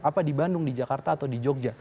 apa di bandung di jakarta atau di jogja